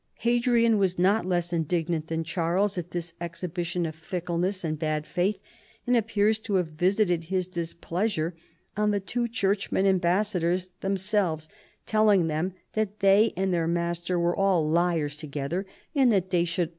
Hadrian was not less indignant than Charles at this exhibition of fickleness and bad faith, and appears to have visited his displeasure on the two churchmen ambas sadors themselves, telling them that they and their master were all liars together, and that they should REVOLTS AND CONSPIRACIES.